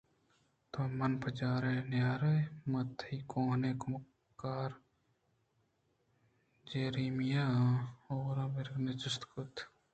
تو من ءَپجّاہ نیارے؟ من تئی کوٛہنیں کمُکار جیریمیا(jeremiah)اوںمردک ءَجست کُت